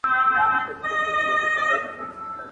د دوی هم د پاچهۍ ویني تودې سوې.